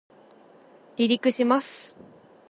離陸します